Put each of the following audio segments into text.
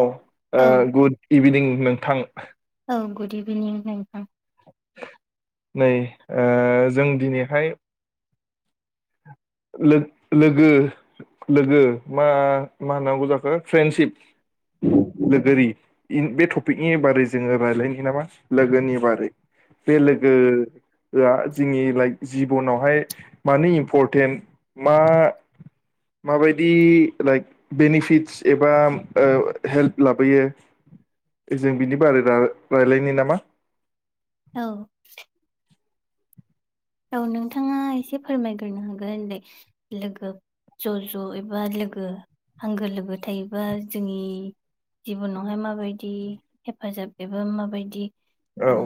औ औ ओ गुड इभिनिं नोंथां औ गुड इभिनिं नोंथां नै ओ जों दिनैहाय लोग लोगो लोगो मा-मा होनांगौ जाखो फ्रेन्डसिप लोगोरि बे टपिकनि बारै जोङो रायलायनि नामा लोगोनि बारै बे लोगोआ जोंनि लाइक जिबनावहाय मानो इम्परटेन्ट मा माबायदि लाइक बेनिफिटस एबा हेल्प लाबोयो जों बिनि बारै रा रायलायनि नामा औ औ नोंथाङा एसे फोरमायग्रोनो हाग्रोन दे लोगो ज'- ज' एबा लोगो आंगो लोगो थायोबा जोंनि जिबनावहाय माबायदि हेफाजाब एबा माबायदि औ उम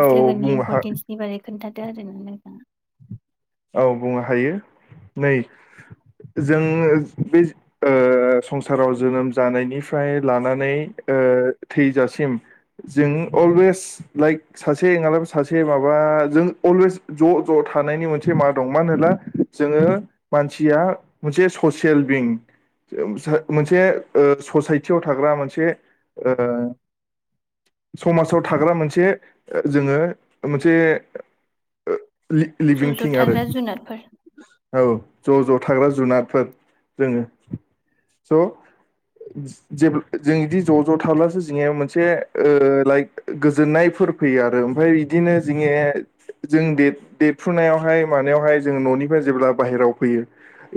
औ लोगोनि बुंनो हा इम्परटेन्सनि बारै खोन्था दो आरो ना नोंथां औ बुंनो हायो नै जों बे ओ संसाराव जोनोम जानायनिफ्राय लानानै ओ थैजासिम जों अलवेस लाइक सासे नोंआबाबो सासे माबा जों अलवेस ज' - ज' थानायनि मोनस से मा दं मानो होनोब्ला जोङो मानसिया मोनसे ससियेल बिं मोनसे ओ ससाइटियाव थाग्रा मोनसे ओ समाजाव थाग्रा मोनसे जोङो मोनसे ओ लि लिभिं ज' थाग्रा जुनारफोर ज'-ज' थाग्रा जुनारफोर जोङो स' जेब्ला जों बिदि ज'-ज' थाब्लासो जोंनिया मोनसे ओ लाइक गोजोननायफोर फैयो आरो ओमफ्राय इदिनो जोंङो जों दे देरफ्रुनायाव फ्राय मानायावहाय जोङो न'निफ्राय जेब्ला बाहेराव फैयो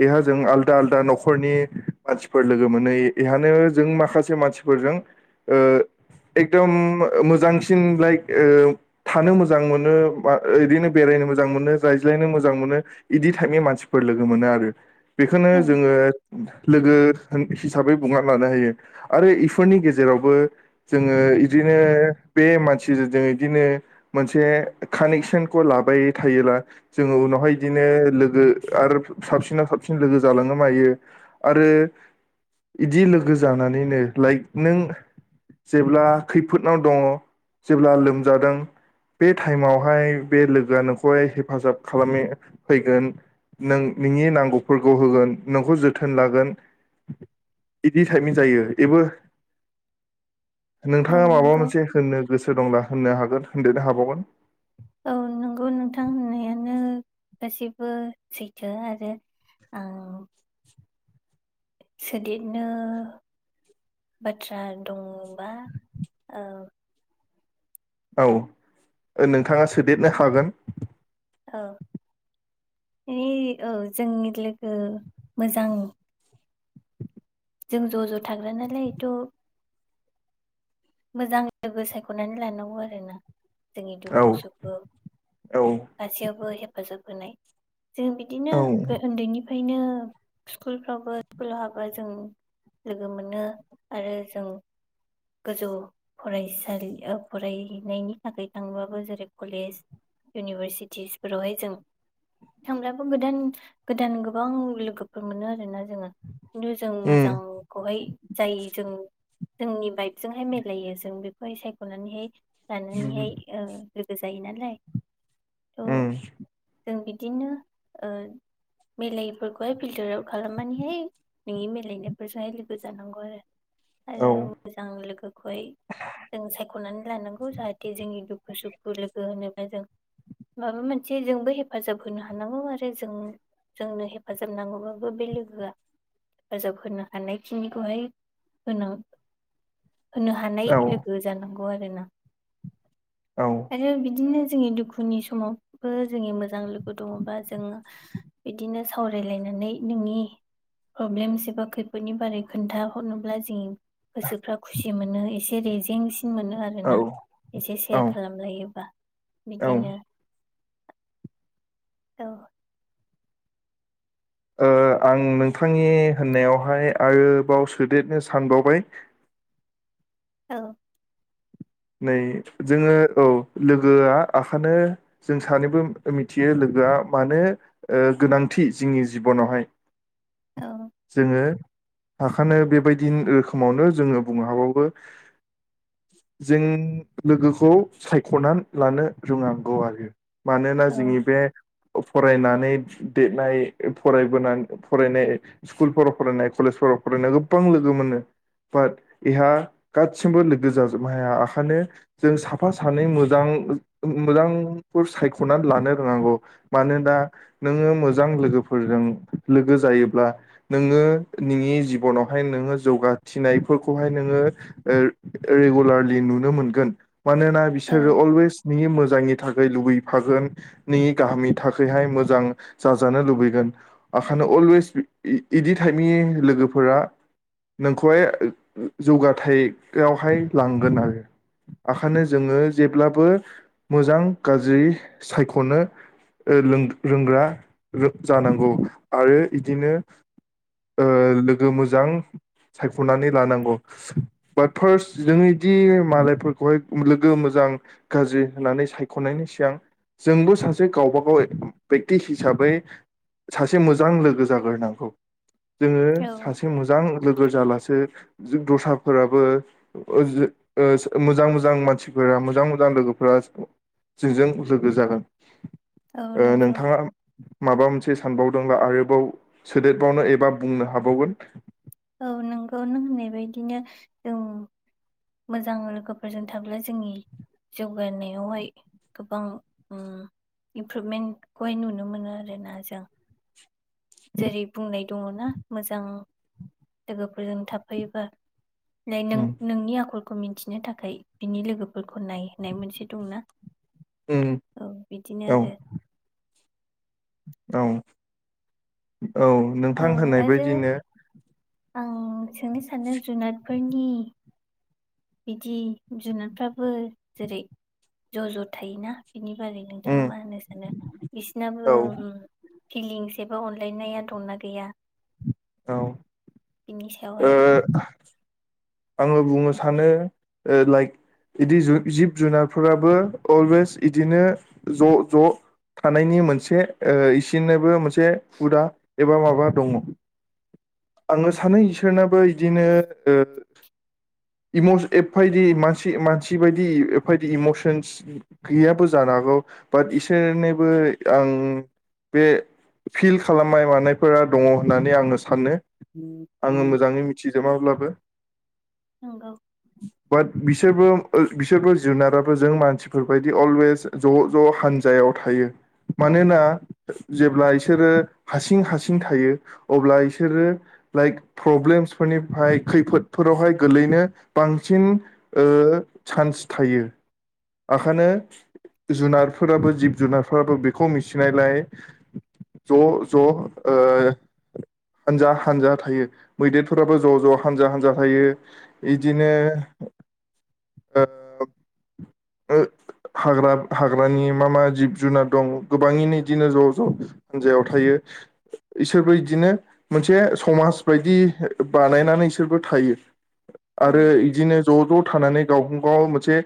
एहा जों आलदा आलदा न'खरनि मानसिफोर लोगो मोनै एहानो जों माखासे मानसिफोरजों ओ एकदम मोजांसिन लाइक थानो मोजां मोनो इदिनो बेरायनो मोजां मोनो रायज्लायनो मोजां मोनो इदि टाइपनि मानसिफोर लोगो मोनो आरो बेखौनो औ जोङो लोगो हिसाबै बुंना लानो हायो आरो इफोरनि गेजेरावबो जोङो इदिनो बे मानसिजों बिदिनो मोनसे कानेकसनखौ लाबाय थायोला जोङो उनावहाय इदिनो लोगो आरो साबसिनाव साबसिन लोगो जालाङो मायो आरो इदि लोगो जानानैनो लाइक नों जेब्ला खैफोदनाव दङ जेब्ला लोमजादों बे टाइमावहाय बे लोगोआ नोंखौहाय हेफ फाजाब खालामनो फैगोन नों नोंनि नांगौफोरखौ होगोन नोंखौ जोथोन लागोन बिदि टाइपनि जायो एबो औ नोंथाङा माबा नंगौ मोनसे होननो गोस गोसो दंङोला होननो हागोन होनदेरनो हाबावगोन औ नंगौ नोंथां [inaudible] गासिबो सैथो आरो आं सोदेरनो बाथ्रा दङ बा ओ औ नोंथाङा सोदेरनो हागोन औ इ औ जोंनि लोगो मोजां जों ज'-ज' थाग्रा नालाय थ' मोजां लोगो सायख'नानै लानांगौ आरोना जोंनि औ दुखु सुखु औ गासैयावबो हेब हेफाजाब होनाय जों बिदिनो औ उन्दैनि फ्रायनो स्कुलफ्रावबो स्कुलाव हाबा जों लोगो मोनो आरो जों गोजौ फरायसालि फरायनायनि थाखाय थांबाबो जेरै कलेज इउनिभारसिटिसफोरावहाय जों थांब्लाबो गोदान गोदान गोबां लोगोफोर मोनो आरोना। जोङो खिन्थु जों उम मोजांखौहाय जाय जों जोंनि [unintelligible] जोंहाय मिलायो जों बेखौहाय सायख'नानैहाय लानानैहाय ओ लोगो जाहैनानै नाय उम। बिदिनो ओ मिलायैफोरखौहाय फिल्टार आउट खालामनानैहाय नोंनि मिलायनायफोरजोंहाय लोगो जानांगौ औ आरो आरो लोगोखौहाय जों सायख'नानै लानांगौ जाहाथे जोंनि दुखुसुखु लोगो होनोब्ला जों माबा मोनसे जोंबो हेफाजाब होनो हानांगौ आरो जों जोंनो हेफाजाब नांगौबाबो बे लोगोआ हेफाजाब होनो हानाय खिनिखौहाय होनां होनो हानाय औ लोगो जानांगौ आरो ना। आरो बिदिनो जोंनि दुखुनि समावबो जोंनि मोजां लोगो दङबा जोङो बिदिनो सावरायलायनानै नोंनि प्रब्लेमस एबा खैफोदनि बारै खोन्थाहरनोब्ला जोंनि गोसोफ्रा खुसि मोनो एसे रेजें [unintelligible] मोनो आरोना औ एसे औ सेयार खालामलायोबा। ओ बिदिनो औ। आं नोंथांनि होननायावहाय आरोबाव सोदेरनो सानबावबाय। औ। नै जोङो औ लोगोआ ओंखायनो जों सानैबो मिथियो लोगोआ मानो गोनांथि जोंनि जिबनावहाय औ जोङो हाखानो बेबायदि रोखोमावनो जोङो बुंनो हाबावो। जों लोगोखौ सायख'नानै लानो रोंनांगौ आरो। मानोना औ जोंनि बे फरायनानै देरनाय फरायबोन फरायनाय स्कुलफोराव फरायनाय कलेजफोराव फरायनाय गोबां लोगो मोनो बाट बेहा गासिमबो लोगो जाजोब नो हाया जों साफा सानै मोजां मोजांफोर सायख'नानै लानो रोंनांगौ मानोना नोङो मोजां लोगोफोरजों लोगो जायोब्ला नोङो नोंनि जिबनावहाय नोङो जौगाथिनायफोरखौहाय नोङो रेगुलारलि नुनो मोनगोन। मानोना बिसोरो अलवेस नोंनि मोजां जायनि थाखाय लुबैफागोन नोंनि गाहामनि थाखायहाय मोजां जाजानो लुबैगोन ओंखायनो अलवेस बिदि टाइपनि लोगोफोरा नोंखौहाय जौगाथायाव बेवहाय लांगोन आरो ओंखायनो जोङो जेब्लाबो मोजां गाज्रि सायख'नो रोंग्रा जानांगौ आरो बिदिनो लोगो मोजां सायख'नानै लानांगौ बाट फार्स्ट जोङोदि मालायफोरखौहाय लोगो मोजां गाज्रि होननानै सायख'नायनि सिगां जोंबो सासे गावबागाव बेकति हिसाबै सासे मोजां लोगो जाग्रोनांगौ। जोङो औ औ सासे मोजां लोगो जालासे जों दस्राफोराबो जों ओ मोजां मोजां मानसिफोरा मोजां मोजां लोगोफोरा जोंजों लोगो जागोन। औ नंगौ नोंथाङा माबा मोनसे सानबावदोंब्ला आरोबाव सोदेरबावनो एबा बुंनो हाबावगोन। औ नोंगौ नों होननायबायदिनो जों मोजां लोगोफोरजों थाब्ला जोंनि जौगानायावहाय गोबां इमप्रुभमेन्टखौहाय नुनो मोनो आरोना जों। जेरै बुंनाय। दङ ना मोजां लोगोफोरजों थाफायोबा। नों उम नोंनि आखल खौ मिथिनो थाखाय बिनि लोगोफोरखौ नायहनाय मोनसे दंना। उम औ बिदिनो औ आरो औ। औ औ नोंथां होननाय आरो बायदिनो आं सोंनो सानो जुनारफोरनि बिदि जुनारफ्राबो जेरै ज' ज' थायोना। बिनि बागै नोंथाङा उम मा होनो सानो बिसिनाबो औ ओम फिलिंस एबो अनलायनाया दंना। गैया। औ बिनि ओ सायावहाय बुं। आङो बुंनो सानो लाइक बिदि जिब जुनारफोराबो अलवेस बिदिनो ज' ज' थानायनि मोनसे इसनोबो मोनसे हुदा एबा माबा दङ आङो सानो। इसोरनाबो बिदिनो एदिनो मानसि बायदि एबायदि इमसन्स गैयाबो जानो हागौ बाट इसोरनोबो आं बे फिल खालामनाय मानायफोरा दङ होननानै आङो सानो। उम आङो मोजाङै मिथिजोबाब्लाबो नंगौ बाट। बिसोरबो बिसोरबो जुनाराबो जों मानसिफोर बायदि अलवेस ज' ज' हान्जायाव थायो मानोना जेब्ला बिसोरो हारसिं हारसिं थायो अब्ला इसोरो लाइक प्रब्लेमसफोरनिफ्राय खैफोदफोरावहाय गोल्लैनो बांसिन ओ चान्स थायो आखायनो जुनारफोराबो जिब जुनारफोराबो बेखौ मिथिनायलाय ज' ज' ओ हानजा हानजा थायो। मैदेरफोराबो ज' ज' हानजा हानजा थायो इदिनो हाग्रा हाग्रानि मा मा जिब जुनार दं गोबाङैनो इदिनो ज' ज' हान्जायाव थायो इसोरबो इदिनो मोनसे समाज बायदि। बिदि बानायनानै इसोरबो थायो। औ आरो बिदिनो ज' ज' थानानै गाव गाव मोनसे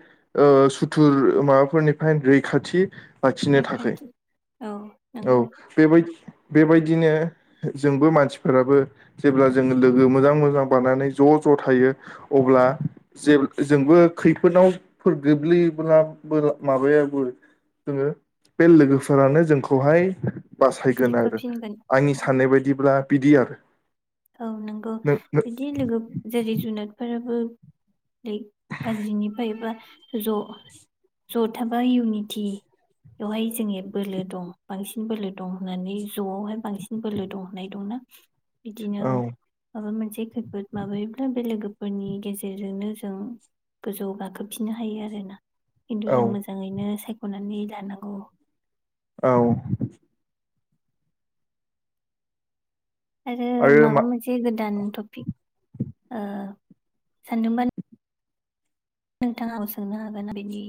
सुथुर माबाफोरनिफ्राय रैखाथि लाखिनो थाखाय रैखाथि औ औ नंगौ बेबायदि। बेबायदिनो जोंबो मानसिफोराबो जेब्ला जोङो लोगो मोजां मोजां बानानै ज' ज' थायो अब्ला जे जोंबो खैफोदावफोर गोग्लैयोब्लाबो माबायाबो जोङो बे लोगोफोरानो जोंखौहाय बासायगोन आरो दिखोफिनगोन आंनि साननाय बायदिब्ला बिदि आरो। औ नंगौ नों नों बिदि लोगो जेरै जुनारफोर लाइक गाज्रिनिफ्राय एबा ज' ज' थाबा इउनिटिवहाय जोंनि बोलो दं बांसिन बोलो दं होननानै ज'आवहाय बांसिन बोलो दं होननाय दंना। बिदिनो औ माबा मोनसे से खैफोद माबायोब्ला बे लोगोफोरनि गेजेरजोंनो जों गोजौआव गाखोफिननो हायो आरोना। खिन्थु औ जों मोजाङैनो सायख अननानै दानांगौ औ आरो माबा मोनसे गोदान टपिक ओ सानदोंबा नोंथाङाबो सोंनो हागोन बेनि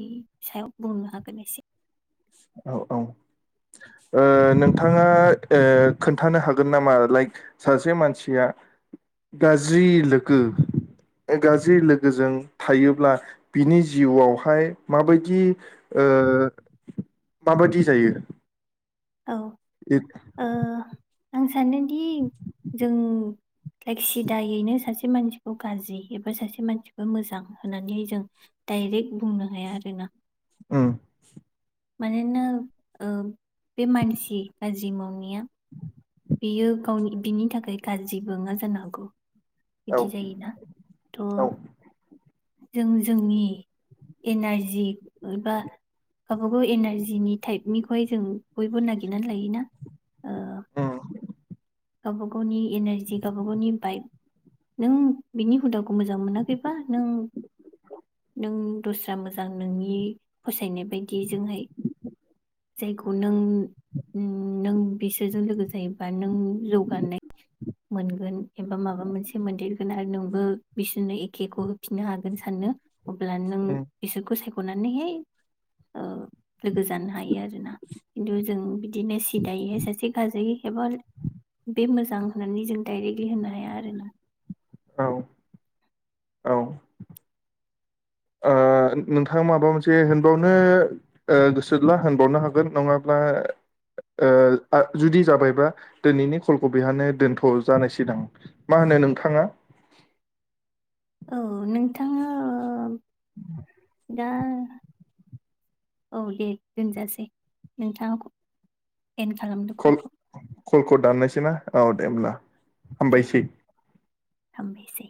सायाव बुंनो हागोन एसे औ औ ओ नोंथाङा ओ खोन्थानो हागोन नामा लाइक सासे मानसिया गाज्रि लोगो गाज्रि लोगोजों थायोब्ला बिनि जिउआवहाय माबायदि ओ माबादि जायो औ ओ [unintelligible] आं सानोदि जों लाइक सिदायैनो सासे मानसिखौ गाज्रि एबा सासे मानसिखौ मोजां होननानै जों डायरेक्ट बुंनो हाया आरोना उम मानोना ओ बे मानसि गाज्रि मावनाया बेयो गावनि बिनि थाखाय गाज्रिबो नङा जानो हागौ औ बिदि जायोना थ' जों जोंनि एनारजि एबा गावबा गाव एनारजिनि टाइपनिखौहाय जों बयबो नागिरनानै लायोना ओ औ गावबा गावनि एनारजि गावबा गावनि बाइब नों बिनि हुदाखौ मोजां मोनाखैबा नों नों दस्रा मोजां नोंनि फसायनाय बायदि जोंहाय जायखौ नों नों बिसोरजों लोगो जायोबा नों लौगानाय मोनगोन एबा माबा मोनसे मोनदेरगोन आरो नोंबो बिसोरनो एखेखौ होफिननो हागोन साननो अब्ला नों उम बिसोरखौ साय ख'नानैहाय लोगो जानो हायो आरोना खिन्थु जों बिदिनो सिदायैहाय सासे गाज्रि एबा बे मोजां होननानै जों डाइरेक्टलि होननो हाया आरो ना औ औ ओ नोंथाङा माबा मोनसे होनबावनो ओ गोसोब्ला होनबावनो हागोन नङाब्ला ओ जुदि जाबायबा दोनैनि कलखौ बेहायनो दोनथ' जानिसै दां मा होनो नोंथाङा औ नोंथाङा ओ [inaudible] दा औ दे दोनजासै नोंथांखौ एनद खालामदो कल खलखौ कलखौ दाननोसै ना औ दे होमब्ला दे हामबायसै हामबायसै